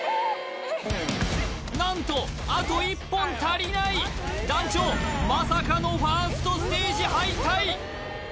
何とあと１本足りない団長まさかのファーストステージ敗退